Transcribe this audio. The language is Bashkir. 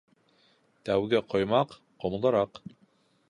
Тәүге ҡоймаҡ ҡомлораҡ.